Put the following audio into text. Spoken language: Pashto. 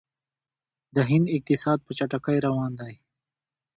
د هند اقتصاد په چټکۍ روان دی.